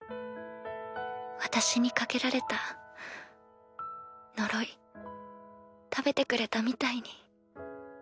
私にかけられた呪い食べてくれたみたいに。